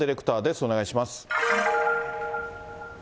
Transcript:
お願いします。